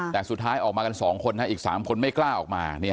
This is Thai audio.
แต่สุดท้ายออกมากัน๒คนอีก๓คนไม่กล้าออกมา